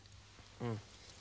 うん。